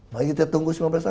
tapi belum tentu saya kalah